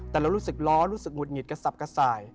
แต่เรารู้สึกล้อรู้สึกหุดหงิดกระสับกระส่าย